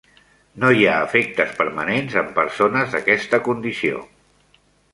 No hi ha efectes permanents en persones d'aquesta condició.